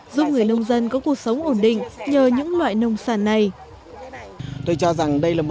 giúp người nông dân có cuộc sống ổn định nhờ những loại nông sản này